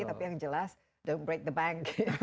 tapi yang jelas don't break the bank